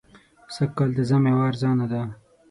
سږ کال تازه مېوه ارزانه ده.